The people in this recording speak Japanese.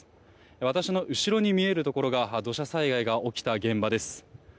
私の後ろに見えるところが土砂災害が起きた現場です。